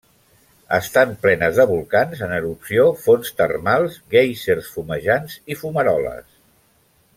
Estan plenes de volcans en erupció, fonts termals, guèisers fumejants i fumaroles.